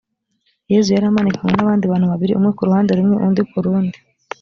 yezu yari amanikanywe n’abandi bantu babiri umwe ku ruhande rumwe undi ku rundi